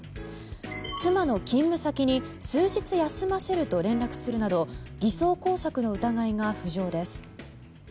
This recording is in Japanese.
妻の勤務先に数日休ませると連絡するなど偽装工作の疑いが浮上です。